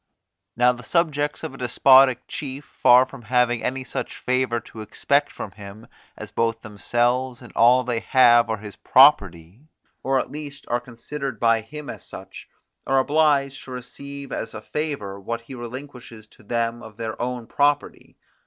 Now the subjects of a despotic chief, far from having any such favour to expect from him, as both themselves and all they have are his property, or at least are considered by him as such, are obliged to receive as a favour what he relinquishes to them of their own property.